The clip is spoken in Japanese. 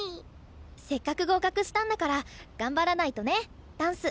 せっかく合格したんだから頑張らないとねダンス。